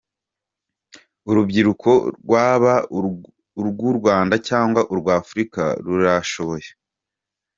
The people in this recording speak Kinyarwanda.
Urubyiruko rwaba urw’u Rwanda cg urwa Africa rurashoboye.